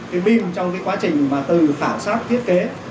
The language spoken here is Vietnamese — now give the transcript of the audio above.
trong quá trình từ khảo sát thiết kế